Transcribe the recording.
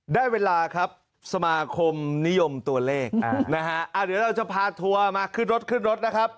ได้เวลาครับสมาคมนิยมตัวเลขนะฮะเดี๋ยวเราจะพาทัวร์มาขึ้นรถขึ้นรถนะครับ